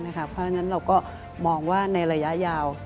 เพราะฉะนั้นเราก็มองว่าในระยะยาว